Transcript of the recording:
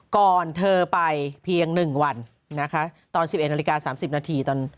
ก่อนเธอไปเพียงหนึ่งวันนะคะตอนสิบเอ็นต์นาฬิกาสามสิบนาทีตอน